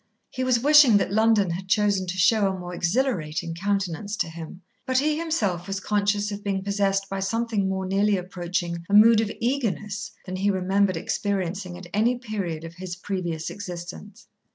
He was wishing that London had chosen to show a more exhilarating countenance to him, but he himself was conscious of being possessed by something more nearly approaching a mood of eagerness than he remembered experiencing at any period of his previous existence.